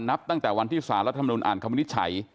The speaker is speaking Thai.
นับตั้งแต่วันที่สารรัฐมนุนอ่านคำวินิจฉัย